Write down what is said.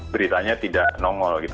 beritanya tidak nongol